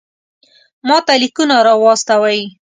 ماته لیکونه را واستوئ.